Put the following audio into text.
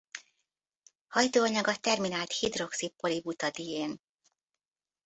Hajtóanyaga terminált hidroxi-polibutadién.